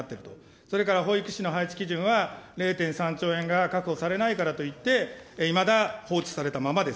それから保育士の配置基準は０．３兆円が確保されないからといって、いまだ放置されたままです。